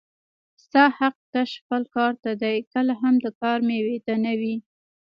ستا حق تش خپل کار ته دی کله هم د کار مېوې ته نه